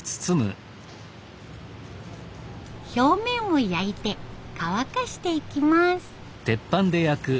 表面を焼いて乾かしていきます。